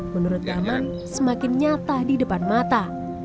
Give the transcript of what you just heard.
menurut nyaman semakin nyata di depan mata